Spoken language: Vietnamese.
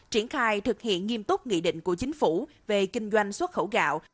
triển khai thực hiện nghiêm túc nghị định của chính phủ về kinh doanh xuất khẩu gạo